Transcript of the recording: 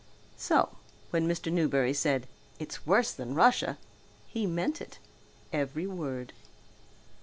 So when Mr. Newberry said "It's worse than Russia!" he meant it, every word.